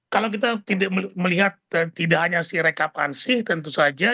kalau kita melihat tidak hanya sirekapansi tentu saja kita melihat dari perusahaan